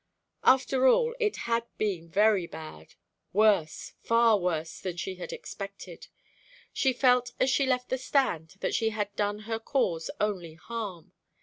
After all, it had been very bad worse, far worse, than she had expected. She felt as she left the stand that she had done her cause only harm.